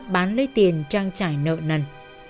bán lấy tiền trang trải nợ nần